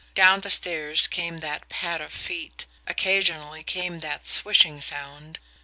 Down the stairs came that pad of feet; occasionally came that swishing sound.